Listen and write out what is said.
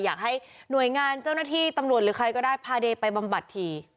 อยากให้หน่วยงานเจ้าหน้าที่ตำรวจหรือใครก็ได้พาเดย์ไปบำบัดที